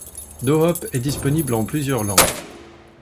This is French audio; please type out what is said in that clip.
Dohop est disponible en plusieurs langues.